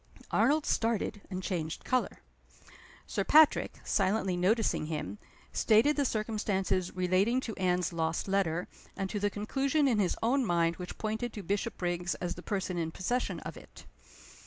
Arnold started, and changed color. Sir Patrick (silently noticing him) stated the circumstances relating to Anne's lost letter, and to the conclusion in his own mind which pointed to Bishopriggs as the person in possession of it.